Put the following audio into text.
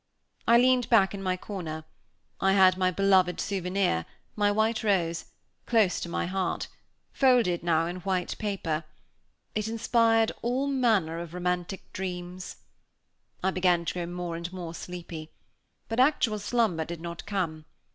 I leaned back in my corner; I had my beloved souvenir my white rose close to my heart, folded, now, in white paper. It inspired all manner of romantic dreams. I began to grow more and more sleepy. But actual slumber did not come.